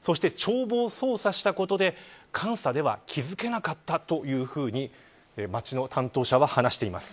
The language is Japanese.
そして帳簿を操作したことで監査では気付なかったというふうに町の担当者は話しています。